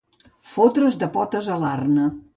Fotre's de potes a l'arna.